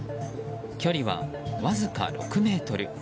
距離は、わずか６ｍ。